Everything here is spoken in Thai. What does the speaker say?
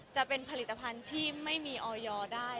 จะเป็นผลิตภัณฑ์ที่ไม่มีออยอร์ได้